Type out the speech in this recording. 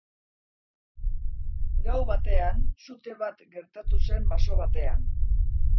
Gau batean, sute bat gertatu zen baso batean.